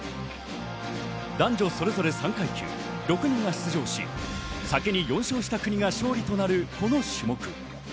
男女それぞれ３階級、６人が出場し、先に４勝した国が勝利となるこの種目。